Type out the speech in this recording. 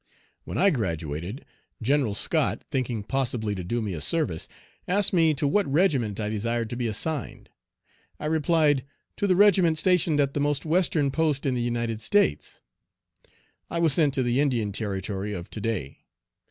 When I graduated, General Scott, thinking possibly to do me a service, asked me to what regiment I desired to be assigned; I replied, to the regiment stationed at the most western post in the United States. I was sent to the Indian Territory of to day.